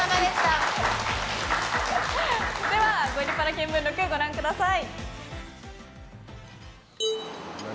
では、「ゴリパラ見聞録」ご覧ください。